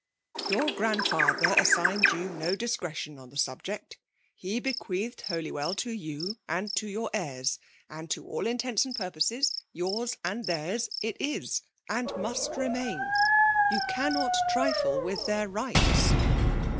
Your grandfather assigned you tic discretion on the subject. He bequeathed Holywell to you and to your heirs • and to all intents and purposes, yours and theirs it is, and must remain. You cannot trifle with theii^' rights."